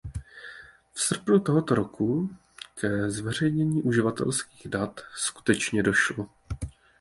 V srpnu toho roku ke zveřejnění uživatelských dat skutečně došlo.